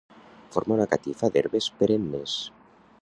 Forma una catifa d'herbes perennes.